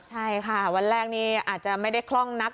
ใช่ค่ะวันแรกนี้อาจจะไม่ได้คล่องนัก